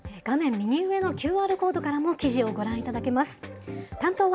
右上のＱＲコードからも記事をご覧いただけます。